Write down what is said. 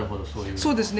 そうですね。